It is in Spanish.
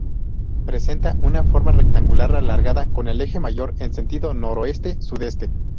Presenta una forma rectangular alargada con el eje mayor en sentido noroeste-sudeste.